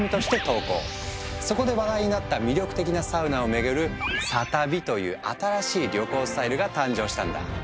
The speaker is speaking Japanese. そこで話題になった魅力的なサウナを巡る「サ旅」という新しい旅行スタイルが誕生したんだ。